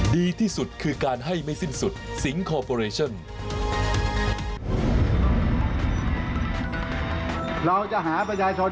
ดีที่สุดคือการให้ไม่สิ้นสุดสิงคอร์ปอเรชั่น